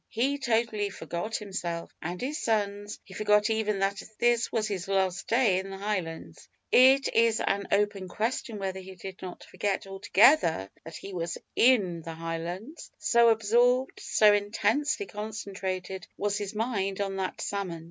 He totally forgot himself and his sons; he forgot even that this was his last day in the Highlands. It is an open question whether he did not forget altogether that he was in the Highlands, so absorbed, so intensely concentrated, was his mind on that salmon.